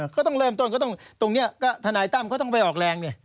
ก็ต้องเริ่มต้นตรงนี้ก็ธนายตั้มก็ต้องไปออกแรง